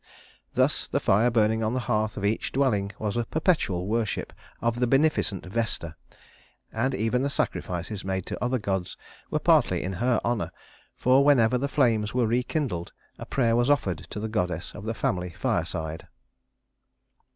Thus the fire burning on the hearth of each dwelling was a perpetual worship of the beneficent Vesta, and even the sacrifices made to other gods were partly in her honor; for whenever the flames were rekindled, a prayer was offered to the goddess of the family fireside.